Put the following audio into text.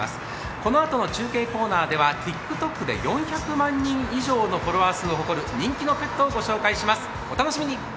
このあとの中継コーナーではＴｉｋＴｏｋで４００万人以上のフォロワー数を誇る人気のペットをご紹介します。